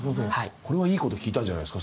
これはいい事聞いたんじゃないですか？